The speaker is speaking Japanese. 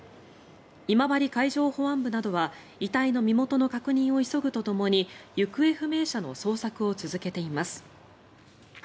今治海上保安部などは遺体の身元の確認を急ぐとともに行方不明者の捜索を続けています。